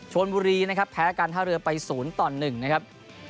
ชวนบุรีแพ้ระกันท่าเรือไป๐ต่อ๑นะครับ